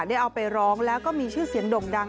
ได้เอาไปร้องแล้วก็มีชื่อเสียงด่งดัง